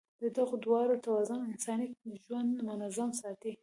د دغو دواړو توازن انساني ژوند منظم ساتي.